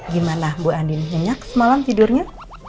gimana bu andin nyenyak semalam tidurnya